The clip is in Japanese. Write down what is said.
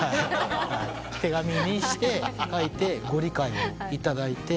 手紙にして書いてご理解をいただいて。